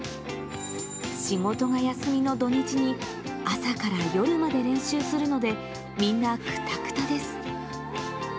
仕事が休みの土日に、朝から夜まで練習するので、みんなくたくたです。